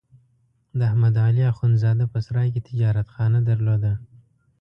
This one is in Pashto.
د احمد علي اخوندزاده په سرای کې تجارتخانه درلوده.